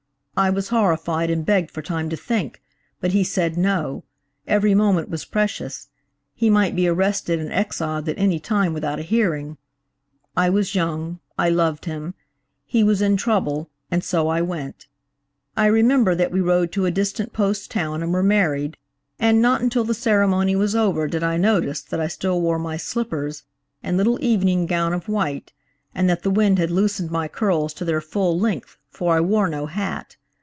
I was horrified, and begged for time to think, but he said no–every moment was precious–he might be arrested and exiled at any time without a hearing. I was young–I loved him–he was in trouble and so I went. I remember that we rode to a distant post town and were married, and not until the ceremony was over did I notice that I still wore my slippers and little evening gown of white, and that the wind had loosened my curls to their full length, for I wore no hat.